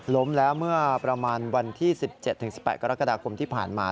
ล้มแล้วเมื่อประมาณวันที่๑๗๑๘กรกฎาคมที่ผ่านมา